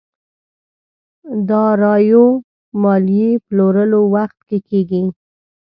داراییو ماليې پلورلو وخت کې کېږي.